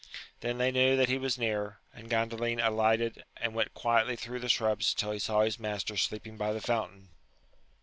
Then they knew that he was near, and Gran dalin alighted, and went quietly through the shrubs till he saw his master sleeping by the fountain.